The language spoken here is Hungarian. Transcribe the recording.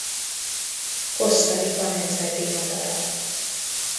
Costa Rica nemzeti madara.